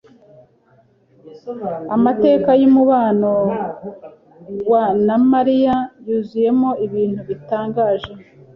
Amateka yumubano wa na Mariya yuzuyemo ibintu bitangaje.